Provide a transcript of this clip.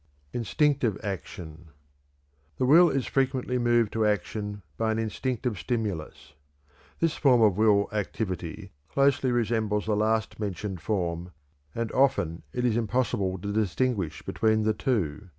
Instinctive Action. The will is frequently moved to action by an instinctive stimulus. This form of will activity closely resembles the last mentioned form, and often it is impossible to distinguish between the two.